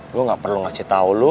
gua gak perlu ngasih tau lu